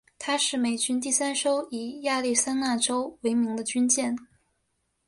她是美军第三艘以亚利桑那州为名的军舰。